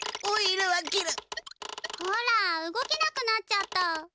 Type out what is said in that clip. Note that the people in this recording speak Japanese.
ほら動けなくなっちゃった。